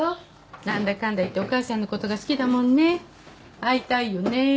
なんだかんだ言ってお母さんのことが好きだもんね会いたいよね